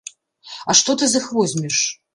А што ты з іх возьмеш?